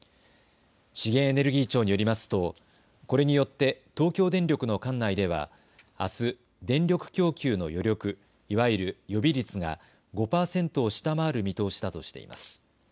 資源エネルギー庁によりますとこれによって東京電力の管内ではあす電力供給の余力、いわゆる予備率が５％を下回る見通しだとしています。